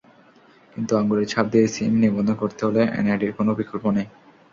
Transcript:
কিন্তু আঙুলের ছাপ দিয়ে সিম নিবন্ধন করতে হলে এনআইডির কোনো বিকল্প নেই।